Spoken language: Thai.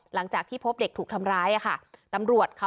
หลังจากที่พบเด็กถูกทำร้ายค่ะ